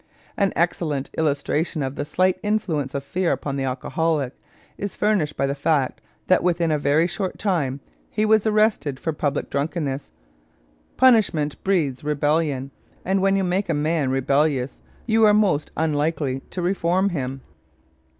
An excellent illustration of the slight influence of fear upon the alcoholic is furnished by the fact that within a very short time he was arrested for public drunkenness. Punishment breeds rebellion, and when you make a man rebellious you are most unlikely to reform him.